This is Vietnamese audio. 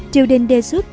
triều đình đề xuất